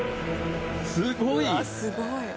すごい！